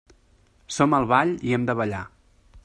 Som al ball i hem de ballar.